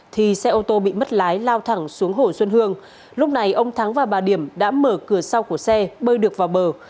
thì xe ô tô bị mất lái lao thẳng xuống hồ xuân hương lúc này ông thắng và bà điểm đã mở cửa sau của xe bơi được vào bờ